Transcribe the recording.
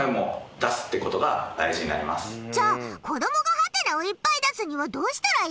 じゃあ子供がハテナをいっぱい出すにはどうしたらいいでブーカ？